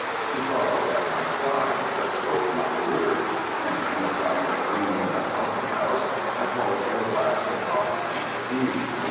He followed at my side but spoke not a word. Entering a private room in the Coffee House I called for a glass of hot beef tea.